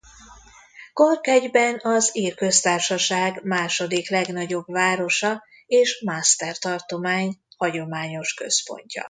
Cork egyben az Ír Köztársaság második legnagyobb városa és Munster tartomány hagyományos központja.